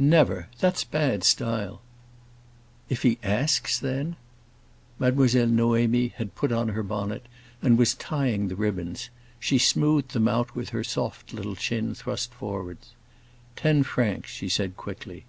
"Never! That's bad style." "If he asks, then?" Mademoiselle Noémie had put on her bonnet and was tying the ribbons. She smoothed them out, with her soft little chin thrust forward. "Ten francs," she said quickly.